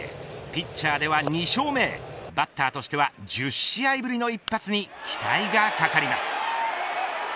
ピッチャーでは２勝目へバッターとしては１０試合ぶりの一発に期待が懸かります。